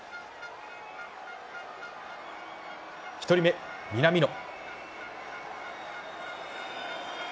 １人目、南野。